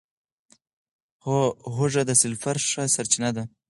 هوږه د سلفر ښه سرچینه ده.